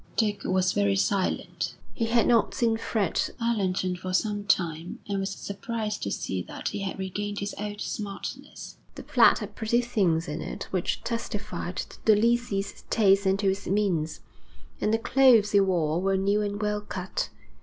Dick was very silent. He had not seen Fred Allerton for some time and was surprised to see that he had regained his old smartness. The flat had pretty things in it which testified to the lessee's taste and to his means, and the clothes he wore were new and well cut.